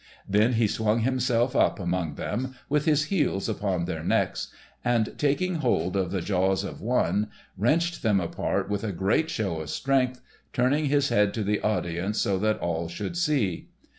Then he swung himself up among them, with his heels upon their necks, and, taking hold of the jaws of one, wrenched them apart with a great show of strength, turning his head to the audience so that all should see.